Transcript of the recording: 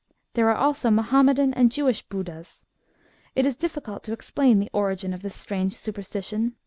There are also Mahomedan and Jewish Budas. It is difl&cult to explain the origin of this strange superstition.